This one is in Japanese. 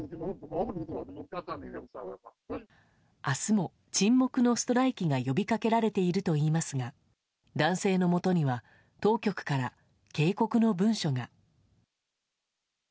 明日も沈黙のストライキが呼びかけられているといいますが男性のもとには当局から警告の文書が。